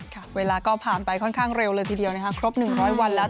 ค่ะเวลาก็ผ่านไปค่อนข้างเร็วเลยทีเดียวนะคะครบ๑๐๐วันแล้ว